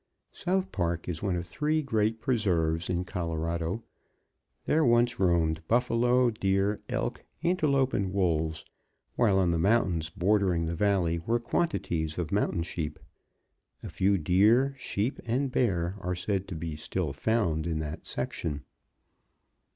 South Park is one of three great preserves in Colorado. There once roamed buffalo, deer, elk, antelope and wolves, while on the mountains bordering the valley were quantities of mountain sheep. A few deer, sheep and bear are said to be still found in that section.